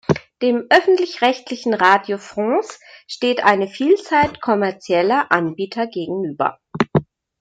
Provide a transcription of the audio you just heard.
Dem öffentlich-rechtlichen Radio France steht eine Vielzahl kommerzieller Anbieter gegenüber.